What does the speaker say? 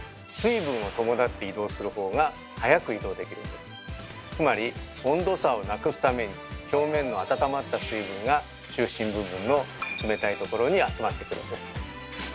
そしてつまり温度差をなくすために表面の温まった水分が中心部分の冷たいところに集まってくるんです。